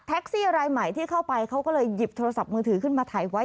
ซี่รายใหม่ที่เข้าไปเขาก็เลยหยิบโทรศัพท์มือถือขึ้นมาถ่ายไว้